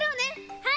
はい！